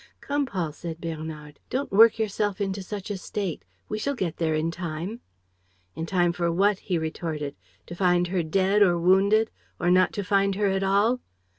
"Come, Paul," said Bernard, "don't work yourself into such a state! We shall get there in time." "In time for what?" he retorted. "To find her dead or wounded? Or not to find her at all?